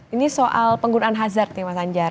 ini soal penggunaan hazard nih mas anjar